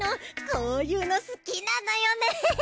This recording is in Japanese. こういうの好きなのよね。